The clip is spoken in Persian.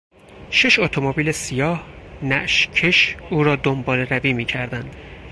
شش اتومبیل سیاه، نعش کش او را دنبالروی میکردند.